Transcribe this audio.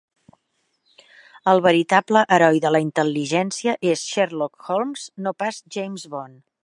El veritable heroi de la intel·ligència és Sherlock Holmes, no pas James Bond.